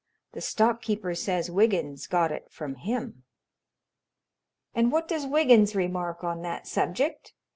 The stock keeper says Wiggins got it from him." "And what does Wiggins remark on that subject?"